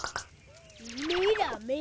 メラメラ。